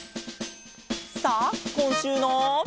さあこんしゅうの。